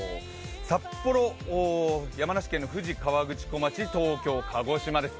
札幌、山梨県の富士河口湖町、東京、鹿児島です。